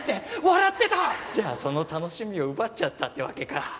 じゃあその楽しみを奪っちゃったってわけか。